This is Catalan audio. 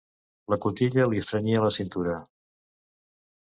La cotilla li estrenyia la cintura.